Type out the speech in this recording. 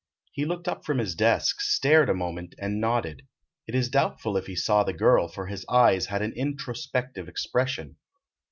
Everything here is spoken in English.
He looked up from his desk, stared a moment and nodded. It is doubtful if he saw the girl, for his eyes had an introspective expression.